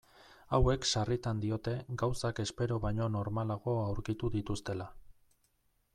Hauek sarritan diote gauzak espero baino normalago aurkitu dituztela.